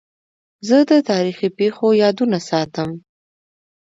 زه د تاریخي پېښو یادونه ساتم.